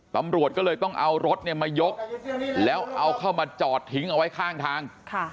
ตำรวจก็เลยต้องเอารถมายกแล้วเอาเข้ามาจอดทิ้งเอาไว้ข้างทาง